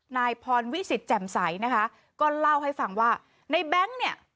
นายพรวิสิตแจ่มใสนะคะก็เล่าให้ฟังว่าในแบงค์เนี่ย